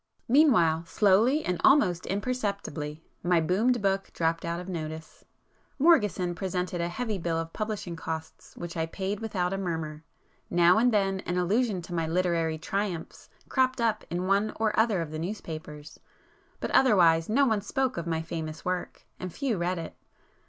Meanwhile, slowly and almost imperceptibly, my 'boomed' book dropped out of notice. Morgeson presented a heavy bill of publishing costs which I paid without a murmur; now and then an allusion to my 'literary triumphs' cropped up in one or other of the newspapers, but otherwise no one spoke of my 'famous' work, and few read it.